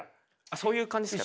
そういう感じですか？